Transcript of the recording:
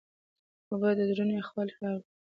اوبه د زړونو یخوالی راولي.